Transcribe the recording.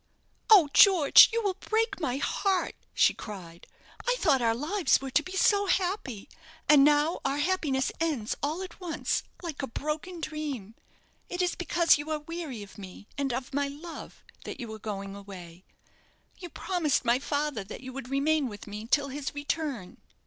"Oh, George, you will break my heart," she cried. "I thought our lives were to be so happy; and now our happiness ends all at once like a broken dream. It is because you are weary of me, and of my love, that you are going away. You promised my father that you would remain with me till his return."